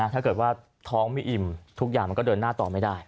ถ้าเกิดว่าท้องไม่อิ่มทุกอย่างมันก็เดินหน้าต่อไม่ได้